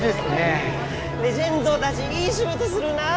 レジェンドだぢいい仕事するなあ！